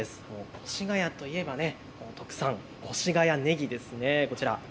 越谷といえば特産、越谷ねぎですよね。